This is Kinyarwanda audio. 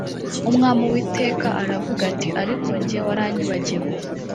umwami uwiteka aravuga ati “ariko jye waranyibagiwe”